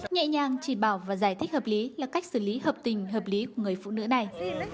nhẹ nhàng chỉ bảo và giải thích hợp lý là cách xử lý hợp tình hợp lý của người phụ nữ này